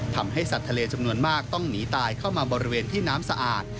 ทำให้สัตว์ทะเลจำนวนมากต้องหนีตายเข้ามาบริเวณที่น้ำสะอาด